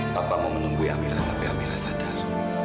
papa mau menunggu amira sampai amira sadar